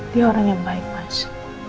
dia orang yang baik mas